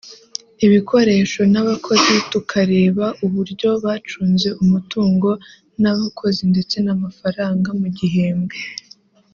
ibikoresho n’abakozi tukareba uburyo bacunze umutungo n’abakozi ndetsen’amafaranga mu gihembwe